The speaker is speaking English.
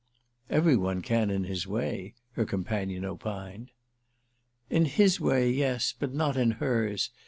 "Every one can in his way," her companion opined. "In his way, yes—but not in hers.